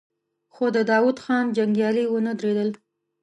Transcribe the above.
خو د داوود خان جنګيالي ونه درېدل.